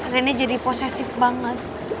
rene jadi posesif banget